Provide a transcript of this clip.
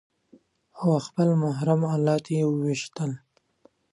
او خپل محرم الات يې په وويشتل.